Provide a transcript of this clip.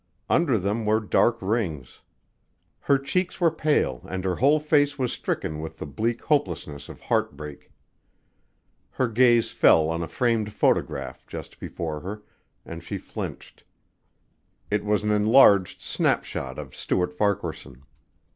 Under them were dark rings. Her cheeks were pale and her whole face was stricken with the bleak hopelessness of heartbreak. Her gaze fell on a framed photograph, just before her, and she flinched. It was an enlarged snapshot of Stuart Farquaharson.